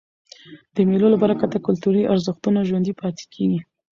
د مېلو له برکته کلتوري ارزښتونه ژوندي پاته کېږي.